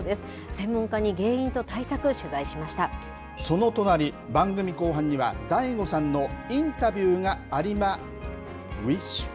専門家に原因と対策、取材しましその隣、番組後半にはＤＡＩＧＯさんのインタビューがありま、ウィッシュ！